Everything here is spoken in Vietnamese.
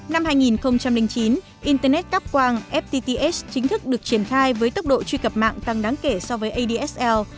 năm hai nghìn chín internet cắp quang fpts chính thức được triển khai với tốc độ truy cập mạng tăng đáng kể so với adsl